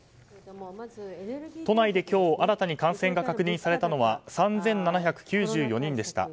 都内で今日新たに感染が確認されたのは３７９４人でした。